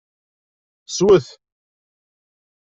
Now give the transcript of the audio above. Swet!